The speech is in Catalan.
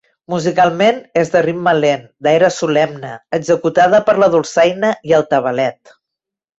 Musicalment, és de ritme lent, d'aire solemne, executada per la dolçaina i el tabalet.